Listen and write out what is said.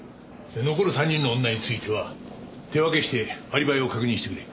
残る３人の女については手分けしてアリバイを確認してくれ。